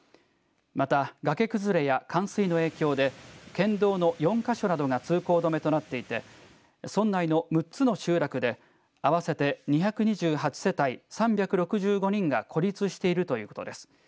また崖崩れや冠水の影響で県道の４か所などが通行止めとなっていて村内の６つの集落で合わせて２２８世帯３６５人が孤立しているということです。